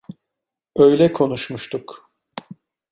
Öyle konuşmuştuk!